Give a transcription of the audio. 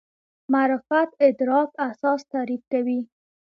معرفت ادراک اساس تعریف کوي.